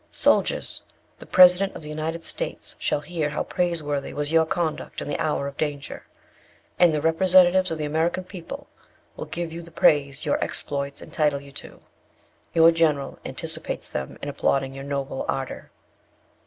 'Soldiers! The President of the United States shall hear how praiseworthy was your conduct in the hour of danger, and the representatives of the American people will give you the praise your exploits entitle you to. Your general anticipates them in appauding your noble ardour.'